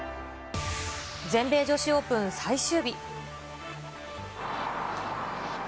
全米女子オープン最終日。